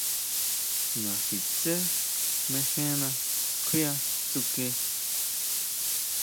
Naxitsé mejena kjuia tsuke.